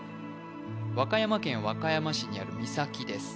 和歌山県和歌山市にある岬です